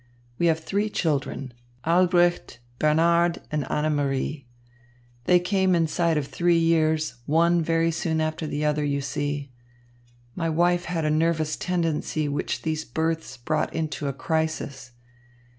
We have three children, Albrecht, Bernhard and Annemarie. They came inside of three years, one very soon after the other, you see. My wife had a nervous tendency which these births brought to a crisis.